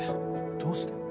どうして？